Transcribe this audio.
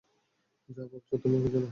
যা ভাবছ তেমন কিছু না!